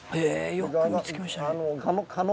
よく見つけましたね。